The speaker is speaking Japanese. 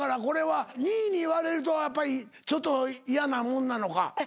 これは２位に言われるとやっぱちょっと嫌なもんなのか。